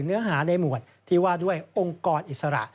เนื้อหาในหมวดที่ว่าด้วยองค์กรอิสระ